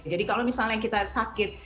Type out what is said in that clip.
jadi kalau misalnya kita sakit